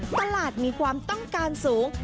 ตลาดมีความต้องการสูง